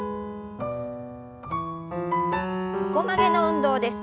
横曲げの運動です。